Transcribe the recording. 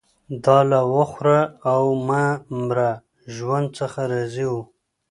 دا له وخوره او مه مره ژوند څخه راضي وو